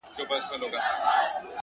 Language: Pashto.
زغم د فشار پر وخت شخصیت ساتي!